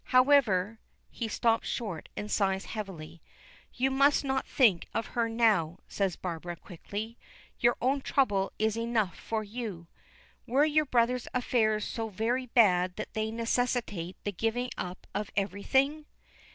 However " he stops short and sighs heavily. "You must not think of her now," says Barbara quickly; "your own trouble is enough for you. Were your brother's affairs so very bad that they necessitate the giving up of everything?"